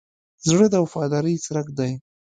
زړه د وفادارۍ څرک دی.